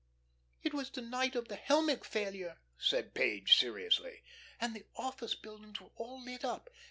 "It was the night of the Helmick failure," said Page, seriously, "and the office buildings were all lit up.